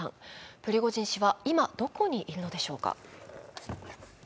プリゴジン氏は、今どこにいるのでしょうか。